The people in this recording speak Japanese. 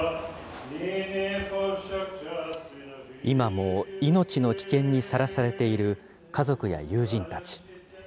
今も命の危険にさらされている家族や友人たち。